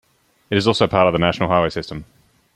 It is also part of the National Highway System.